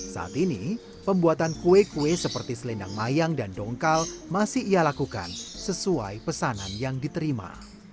saat ini pembuatan kue kue seperti selendang mayang dan dongkal masih ia lakukan sesuai pesanan yang diterima